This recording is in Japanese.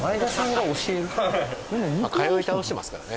はい通い倒してますからね